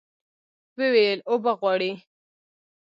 ويې ويل اوبه غواړي.